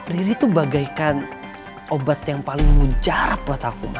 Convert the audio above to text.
riri tuh bagaikan obat yang paling muncarap buat aku ma